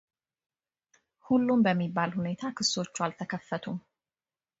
ሁሉም በሚባል ሁኔታ ክሶቹ አልተከፈቱም።